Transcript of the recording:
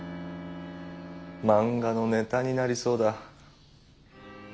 漫画のネタになりそうだ。